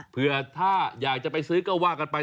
เพื่อถ้าอยากจะไปซื้อก็ว่ากันไป